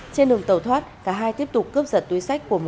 trên đường tàu thoát cả hai tiếp tục cướp giật túi sách của người